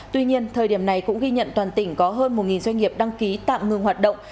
tuy nhiên thời điểm này cũng ghi nhận toàn tỉnh có hơn một doanh nghiệp đăng ký tạm ngừng hoạt động